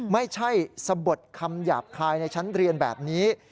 ไม่ใช่สะบดคำหยาบคายในชั้นเรียนแบบนี้